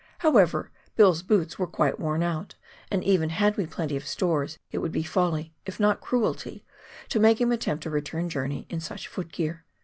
However, Bill's boots were quite worn out, and even had we plenty of stores it would be folly — if not cruelty — to make him attempt a return journey in such foot gear.